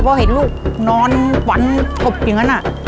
พอเห็นลูกนอนหวานหกอย่างนั้นอะ